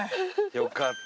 よかった！